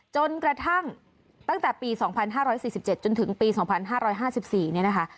จนกระทั่งตั้งแต่ปีสองพันห้าร้อยสี่สิบเจ็ดจนถึงปีสองพันห้าร้อยห้าสิบสี่เนี่ยนะคะ